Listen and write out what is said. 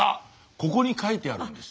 ここに書いてあるんです。